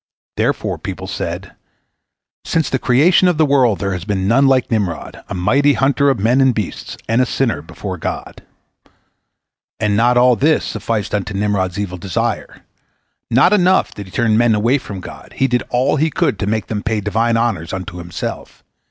Therefore people said, "Since the creation of the world there has been none like Nimrod, a mighty hunter of men and beasts, and a sinner before God." And not all this sufficed unto Nimrod's evil desire. Not enough that he turned men away from God, he did all he could to make them pay Divine honors unto himself.